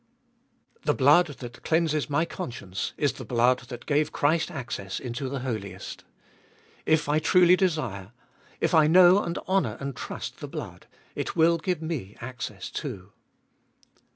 7. The blood that cleanses my conscience is the blood that gave Christ access into the Holiest. If I truly desire, if I know and honour and trust the blood, it will give me access too.